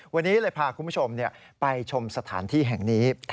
วันนี้เลยพาคุณผู้ชมไปชมสถานที่แห่งนี้